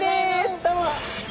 どうも。